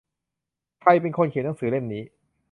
ใครเป็นคนเขียนหนังสือเล่มนี้